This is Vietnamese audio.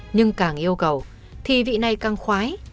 nhưng càng yêu cầu thì vị này càng khoái